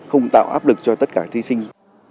không tạo áp lực cho tất cả thí sinh